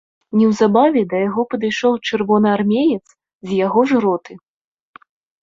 Неўзабаве да яго падышоў чырвонаармеец з яго ж роты.